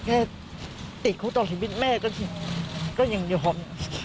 แค่ติดเขาต้องเสียชีวิตแม่ก็อย่างเดียวครับ